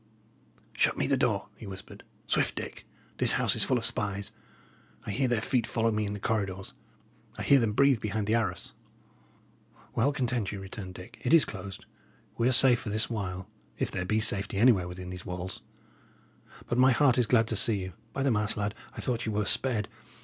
"Shut me the door," he whispered. "Swift, Dick! This house is full of spies; I hear their feet follow me in the corridors; I hear them breathe behind the arras." "Well, content you," returned Dick, "it is closed. We are safe for this while, if there be safety anywhere within these walls. But my heart is glad to see you. By the mass, lad, I thought ye were sped!